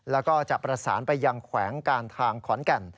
แล้วก็จะประสานไปยังแขวงการทางขอนแก่น